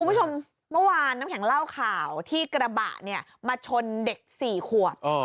คุณผู้ชมเมื่อวานน้ำแข็งเล่าข่าวที่กระบะเนี่ยมาชนเด็ก๔ขวบ